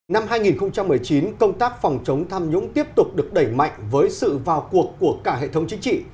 năm hai nghìn một mươi chín công tác phòng chống tham nhũng tiếp tục được đẩy mạnh với sự vào cuộc của cả hệ thống chính trị